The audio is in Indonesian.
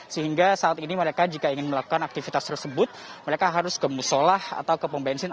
sehingga saat ini mereka jika ingin melakukan aktivitas tersebut mereka harus ke musolah atau ke pembensin